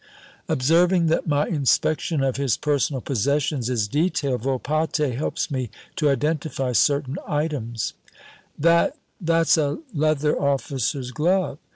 Observing that my inspection of his personal possessions is detailed, Volpatte helps me to identify certain items "That, that's a leather officer's glove.